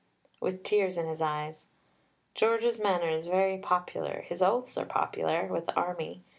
with tears in his eyes. George's manner is very popular, his oaths are popular, with the army.